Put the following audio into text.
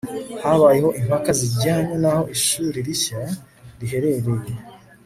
habayeho impaka zijyanye n'aho ishuri rishya riherereye